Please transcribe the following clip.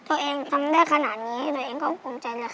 ตัวเองทำได้ขนาดนี้เบื่อตัวเองก็๘๓กิโอน